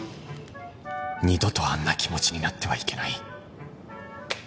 二度とあんな気持ちになってはいけない